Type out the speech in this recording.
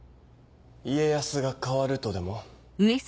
家康が変わるとでも？